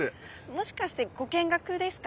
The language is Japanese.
もしかしてご見学ですか？